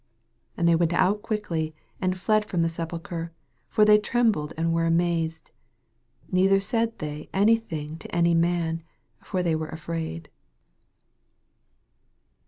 8 And they went out quickly, and fled from the sepulchre ; for they trembled and were amazed: neither said they any thing tc any man ; fol they were ufraid.